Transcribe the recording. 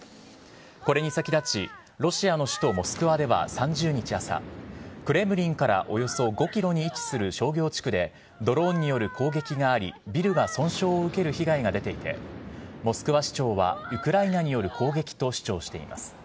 これに先立ち、ロシアの首都モスクワでは３０日朝、クレムリンからおよそ５キロに位置する商業地区でドローンによる攻撃があり、ビルが損傷を受ける被害が出ていて、モスクワ市長はウクライナによる攻撃と主張しています。